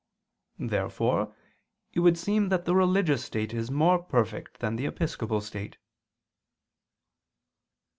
Therefore it would seem that the religious state is more perfect than the episcopal state.